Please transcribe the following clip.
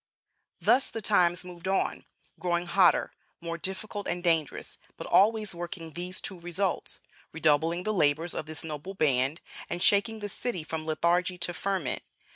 Thus the times moved on growing hotter, more difficult and dangerous, but always working these two results: redoubling the labors of this noble band, and shaking the city from lethargy into ferment.